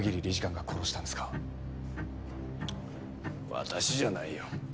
私じゃないよ。